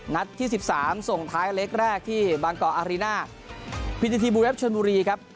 ที่สิบสามส่งท้ายเล็กแรกที่บางกอกอารีน่าพิธีทีบูเวฟชนบุรีครับ